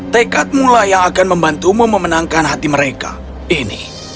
tekadmu yang akan membantumu memenangkan perjalanan ini